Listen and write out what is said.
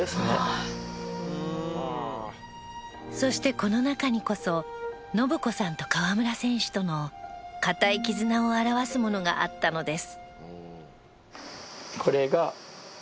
そして、この中にこそ信子さんと河村選手との固い絆を表すものがあったのです。